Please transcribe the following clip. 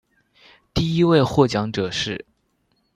第一位获奖者是。